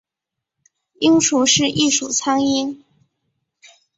蝇属是一属苍蝇。